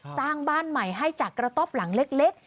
สร้างบ้านใหม่ให้จากกระต๊อบหลังเล็ก